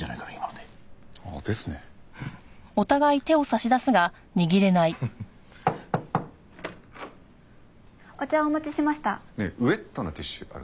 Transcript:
ねえウェットなティッシュある？